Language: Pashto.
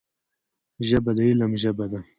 ژبه د علم ژبه ده